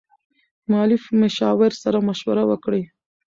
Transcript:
مالي مشاور سره مشوره وکړئ.